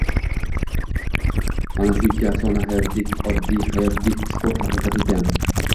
Mana shu ikki afsona hayotdek oddiy, hayotdek chuqur haqiqat ekan.